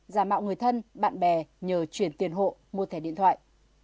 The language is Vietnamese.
giả mạo người thân bạn bè nhờ chuyển tiền hộ mua thẻ điện thoại